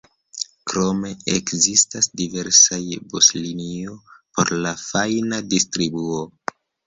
Krome ekzistas diversaj buslinio por la fajna distribuo.